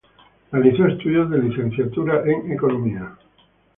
Realizó estudios de licenciatura en Economía.